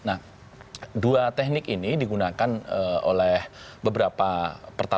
nah dua teknik ini digunakan oleh beberapa pertanyaan